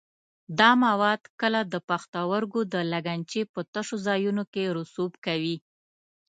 دا مواد کله د پښتورګو د لګنچې په تشو ځایونو کې رسوب کوي.